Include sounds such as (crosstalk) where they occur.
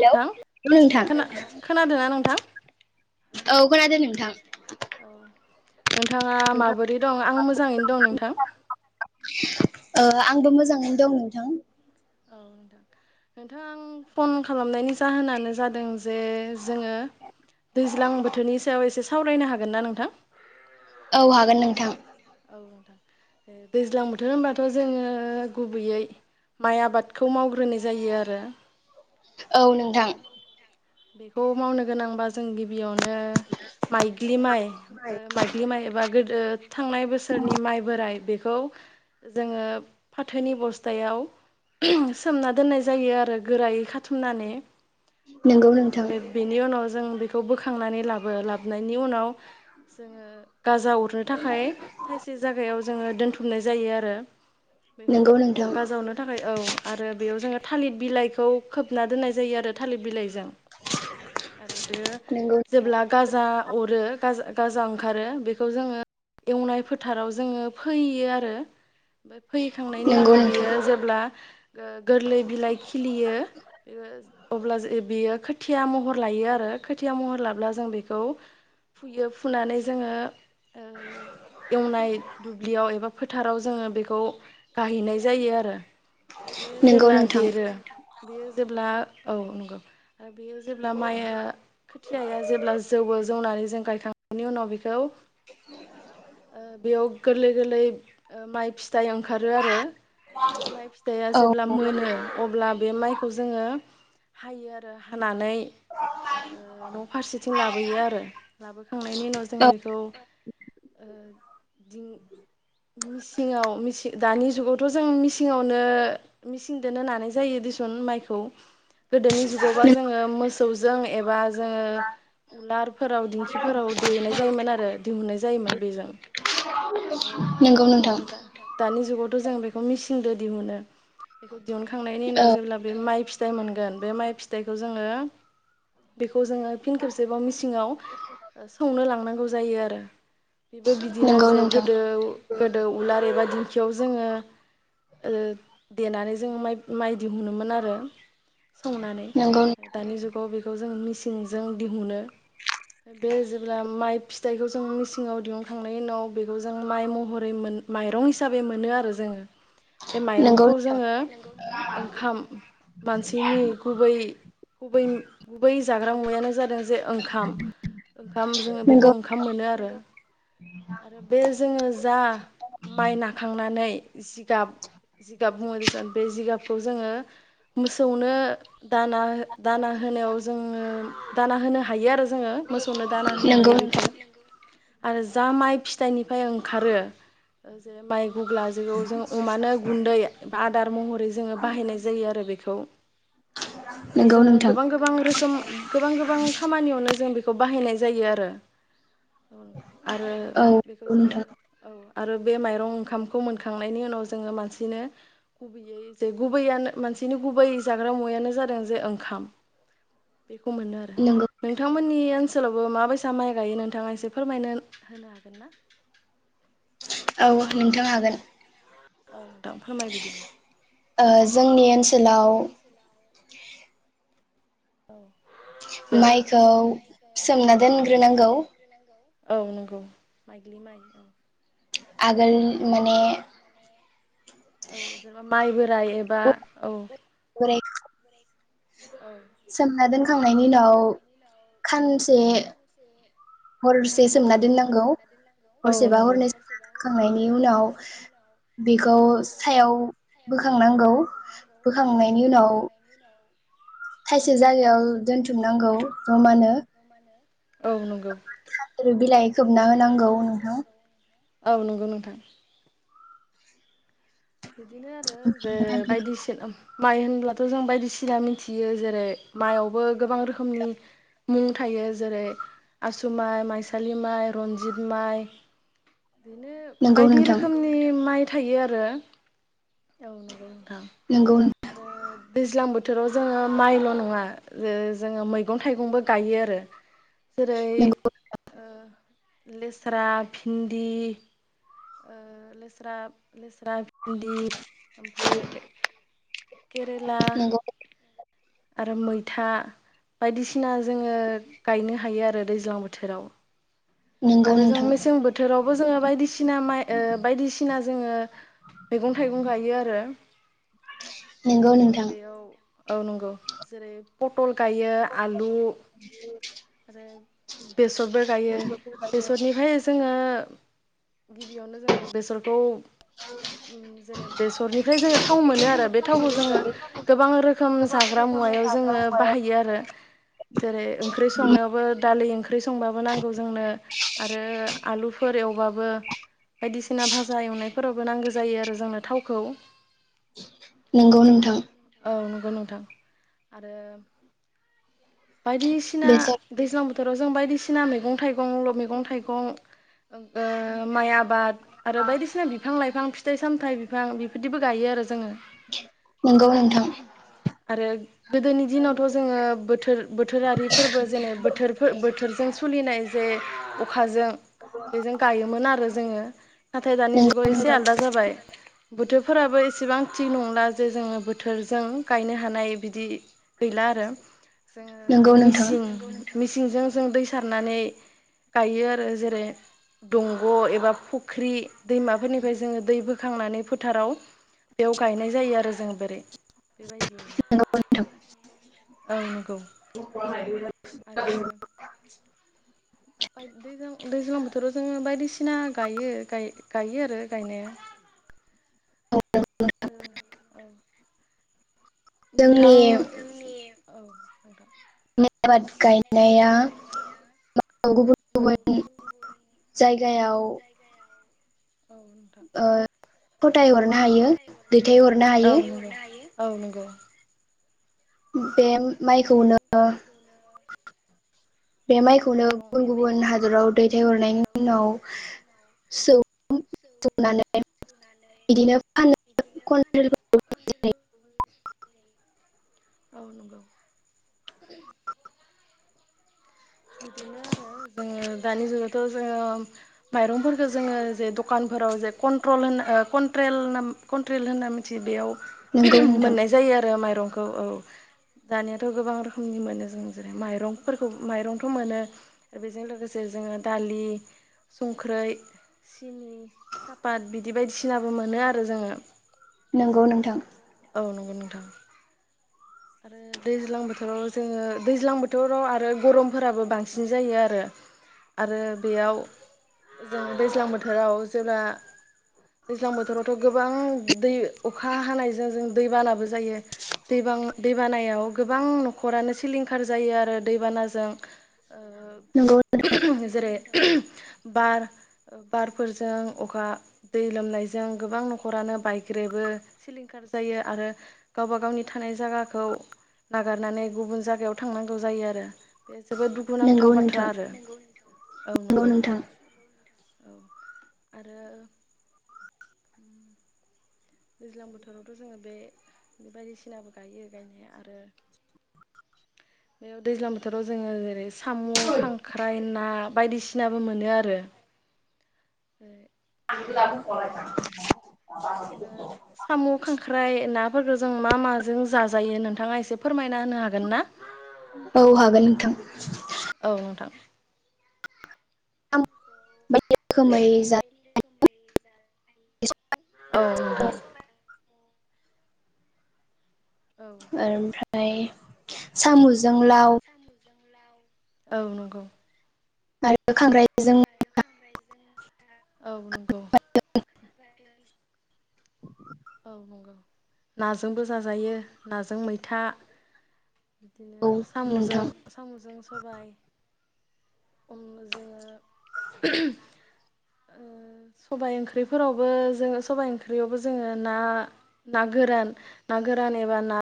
Hello नोंथां औ नोंथां खोना खोनादों ना नोंथां? औ खोनादों नोंथां। औ नोंथाङा माबोरै दं आं मोजाङैनो दं नोंथां। ओ आंबो मोजाङैनो दं नोंथां। औ नोंथां नोंथां आं फन खालामनायनि जाहोनानो जादों जे जोङो दैज्लां बोथोरनि सायाव एसे सावरायनो हागोन ना नोंथां? औ हागोन नोंथां। औ नोंथां दैज्लां बोथोर होनबाथ जोङो गुबैयै माइ आबादखौ मावग्रोनाय जायो आरो। ओ औ नोंथां। बेखौ मावनो गोनां बा जों गिबि यावनो माइदलि माइ ओ माइदलि माइ एबा गो ओ थांनाय बोसोरनि माइ बोराय बेखौ खौ जोङो फाथोनि बस्थायाव सोमना दोननाय जायो आरो गोरायै खाथुमनानै। नोंगौ नोंथां बेखौ बेनि उनाव जों बे खौ बोखांनानै लाबो लाबोननि उनाव जोङो गाजा अरनो थाखा खाय थायसे जागायाव जोङो दोनथुमनाय जायो आरो। बेखौ नोंगौ नोंथां गाजा अरनो थाखाय औ आरो बेयाव जोङो थालिर बिलाइ खौ खोबना दोननाय जायो आरो। थालि बिलाइ जों आरो बेयो नोंगौ जेब्ला गाजा अरो गाज गाजा ओंखारो बेखौ जोङो एवनाय फोथाराव जोङो फैयो आरो फैखांनायनि नोंगौ उनाव नोंथां बियो जेब्ला ओ गोरलै बिलाइ खिलियो ओ अब्ला जे बेयो खोथिया महर लायो आरो खोथिया महर लाब्ला जों बेखौ फुयो फुनानै जोङो ओ एवनाय दुब्लियाव एबा फोथाराव जोङो बेखौ गाहैनाय जायो आरो बेयो नोंगौ जेब्ला नोंथां देरो बेयो जेब्ला औ नंगौ बेयो जेब्ला माइया खोथियाया जेब्ला जौवो जौनानै जों गायखांनायनि उनाव बेखौ ओ बेयाव गोरलै गोरलै ओ माइ फि फिथाइ ओंखारो आरो बे माइ फिथाइया औ जेब्ला मोनो अब्ला बे माइखौ जोङो हायो आरो हान नानै ओ न' फारसेथिं लाबोयो आरो लाबोखांनायनि उनाव जों औ बेखौ ओ (unintelligible) मिसिङाव मिसि दानि जुगावथ' जों मिसिङावनो मिसिं दोनो नानाय जायो दुसुन माइखौ गोदोनि जुगावबा जोङो मोसौजों एबा जोङो उलारफोराव दिंखिफोराव देनाय जायोमोन आरो दिहुननाय ज बेजों नोंगौ नोंथां आरो दा दानि जुागावथ' जों बेखौ मिसिन दो दिहुनो बेखौ दिहुनखांनायनि औ उनाव जेब्ला बे माइ फि फिथाइ मोनगोन बे माइ फिथाइखौ जोङो बेख खौ जोङो फिन खेबसेबाव मिसिङाव ओ सौनो लांनांगौ जायो आरो बेबो बिदिनो नोंगौ जे नोंथां गोदो गोदो उलार एबा दिंखियाव जोङो ओ देनानै जों माइ- माइ दिहुनोमोन आरो संनानै नोंगौ दानि जुगाव बेखौ जों मेचिनजों दिहुनो बे जेब्ला माइ फिथाइखो जोङो मेसिन सिङाव दिहुननोखांनायनि उनाव बेखौ जों माइ महरै मोन माइरं हिसाबै मोनो आरो जोङो बे नोंगौ माइरंखौ नोंथां जोङो ओंखाम मानसिनि गुबै गुबै गुबै जाग्रा मुवायानो जादों जे ओंखाम ओंखाम जोङो नोंगौ बेखौ ओंखाम मोनो आरो आरो बे जोङो जा माइ नाखांना नै जिगाब जिगाब बुङो देसन बे जिगाबखौ जों जोङो मोसौनो दाना दाना होनायाव जोङो दाना होनो हायो आरो जोङो मोसौनो दाना होनो नोंगौ हायो बेखौ नोंथां आरो जा माइ फिथाइनिफ्राय ओंखारो जे माइ गुग्ला जखौ जों अमानो गुन्दै आदार महरै जोङो बाहायनाय जायो आरो बेखौ आरो नोंगौ जोङो नोंथां गोबां गोबां रोखोम गोबां गोबां खामानियावनो जों बे बाहायनाय जायो आरो आरो औ बेखौ नोंगौ जोङो नोंथां औ आरो बे माइरं ओंखामखौ मोनखांनायनि उनाव जोङो मानसिनो गुबैयै जे गुबैयानो मानसिनि गुबै जाग्रा मुवायानो जादों जे ओंखाम बेखौ मोनो आरो नोंगौ नोंथांमोननि ओनसोल ओनसोलावबो माबायसा माइ गायो नोंथाङा एसे फोरमायनो होनो हागोन ना औ नोंथां हागोन औ नोंथां फोरमाय बिदिब्ला ओ जोंनि ओनसोलाव (inaudible) (inaudible) जे माइखौ सोमना दोनग्रो नांगौ औ नंगौ माइग्लि माइ औ आगोल माने औ जेनेबा माइबो गायोबा औ (unintelligible) सोमना दोन फोखांनायनि उनाव खानसे हरसे खानसे सोमना बा बे दोननांगौ औ हरसेबा नंगौ हरनै सोमना दोनखांनायनि उनाव बेखौ सायाव बोखां नांगौ औ बोखांनायनि नंगौ उनाव थाइ से जायगायाव दोनथुमनांगौ जमानो औ नंगौ आरो बिलाइ खोबना होनांगौ नोंथां औ नंगौ नोंथां बिदिनो आरो जे ओमफ्राय बेखौ बायदिसिना माइ होनब्लाथ जों बायदिसिना मिथियो जेरै माइयावबो गोबां रोखोमनि मुं थायो जेरै आसु माइ माइसालि माइ रनजित माइ बिदिनो नंगौ बायदि नोंथां रोखोमनि माइ थायो आरो। औ नंगौ नोंथां नंगौ नंगौ आरो दैज्लां बोथोराव जोङो माइल नङा जो जोङो मैगं थाइगंबो गायो आरो। जेरै ओ लेस स्रा भिन्दि ओ लेस्रा लेस्रा भिन्दि ओमफाय केरेला। नंगौ आरो मैथा बायदिसिना जोङो गायनो हायो आरो दैज्लां बोथोराव। नंगौ आरो जों नोंथां मेसें बोथोराव बो जोङो बायदिसिना माइ ओ बायदिसिना जोङो मैगं थाइगं गायो आरो। ओ नंगौ जेरै नोंथां बेयाव औ नंगौ जेरै पटल गायो आलु आरो बेसरबो गायो। बेसरनिफ्राय जोङो गिबियावनो जोङो बेसरखौ उम जेने बेसरनिफ्राय जोङो थाव मोनो आरो बे थावखौ जोङो गोबां रोखोम जाग ग्रा मुवायाव जोङो बाहायो आरो। जेरै ओंख्रि संनायावबो दालि ओंख्रि संबाबो नांगौ जोंनो। आरो आलुफोर एवबाबो बायदिसिना भाजा एवनायफोरावबो नांगो जायो आरो जोंनो थावखौ। नंगौ औ नोंथां औ नं नंगौ नोंथां आरो बायदिसिना बेसर दैज्लां बो थोराव जों बायदिसि मैगं थाइ गं ल' मैगं थाइगं माइ ओ आबाद आरो बायदिसिना बिफां लाइफां फिथाइ सामथाय बि गां बिफोरदिबो गायो आरो जोङो। नंगौ नोंथां आरो गोदोनि दिनावथ' जोङो बोथोर बोथोरारि फोरबो जेने बोथोर बोथोरजों सु खुलिनाय जे अखाजों बेजों गायोमोन आरो जोङो नाथाय दानि नंगौ जुगाव एसे नोंथां आलदा जाबाय बोथोरफोराबो एसेबां थिग नंला जे जोङो बो थोरजों गायनो हानाय बिदि गैला आरो नंगौ जोङो नोंथां मिसिं मिसिंजों जों दै सारनानै गायो आरो जेरै दंग' एबा फुख्रि दैमाफोरनिफ्राय जोङो दैबो खांनानै फोथाराव बेयाव गायनाय जायो आरो जों बोरै बेबायदि नंगौ नोंथां ओं नों (unintelligible) (unintelligible) आरो दैजां दैज्लां बोथोराव जोङो बायदिसिना गायो गाय गायो आरो गायनाया औ (unintelligible) जोंनि नोंथांनि औ आबाद गायनाया गुबुन गुबुन जायगायाव (unintelligible) नोंथां ओ फथाय हरनो हायो दैथाय हरनो औ हायो। नंगौ औ नोंगौ बे माइखौनो बे माइखौनो गुबुन गुबुन हादराव दैथायहरनायनि उनाव सौ-सौनानै बिदिनो फानो कुइन्टेल औ नंगौ बिदिनो आरो जोङो दानि जुगावथ' जोङो माइरंफोरखो जोङो जे दखानफोराव जे कन्ट्रल होनो कन्ट्रेल होनना मिथियो बेयाव नंगौ नोंथां मोननाय जायो आरो माइरंखौ औ औ दानियाथ' गोबां रोखोमनि मोनो जों जेरै माइरंफोरखौ माइरं खौ मोनो आरो बेजों लोगोसे जोङो दालि संख्रै सिनि सापात बिदि बायदिसिनाबो मोनो आरो जोङो नोंगौ नोंथां औ नंगौ नोंथां आरो दैज्लां बोथोराव जोङो दैज्लां बोथोराव आरो गरमफोराबो बांसिन जायो आरो आरो बेयाव जों दैज्लां बोथोराव जेब्ला दैज्लां बोथोरावथ' गोबां दै अखा हानायजों जों दैबानाबो जायो दैबा दैबानायाव गोबां न'खरानो सिलिंखार जायो आरो दैबानाजों नंगौ जेरै बार बारफोरजों अखा दै लोमनायजों गोबां न'खरानो बायग्रेबो सिलिंखार जायो आरो गावबा गावनि थानाय जायगा खौ नागारनानै गुबुन जायगायाव थांनांगौ जायो आरो बे जोबोद दुखुनांथाव नंगौ बाथ्रा नोंथां आरो औ नंगौ औ आरो दैज्लां बोथोरावथ' जोङो बे बायदिसिनाबो गायो गायनाया आरो बेयाव दैज्लां बोथोराव जोङो जेरै साम', खांख्राइ, ना बायदिसिनाबो मोनो आरो (inaudible) औ नंगौ साम' खांख्राइ नाफोरखौ जों मा माजों जाजायो जायो नोंथाङा एसे फोरमायना होनो हागोन ना? औ हागोन नोंथां औ नोंथां (unintelligible) औ नोंथां औ ओमफ्राय ओमफ्राय सामु जों लाउ औ नंगौ आरो खांख्रायजों (unintelligible) औ नंगौ औ नंगौ नाजोंबो जाजायो नाजों मैथा बिदिनो साम'जों नोंथां साम'जों सबाय (unintelligible) सबाय ओंख्रिफोरावबो जो सबाइ ओंख्रियावबो जोङो ना ना गोरान ना गोरान एबा ना